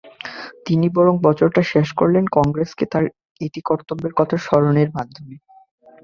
তিনি বরং বছরটা শেষ করলেন কংগ্রেসকে তার ইতিকর্তব্যের কথা স্মরণের মাধ্যমে।